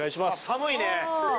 寒いね。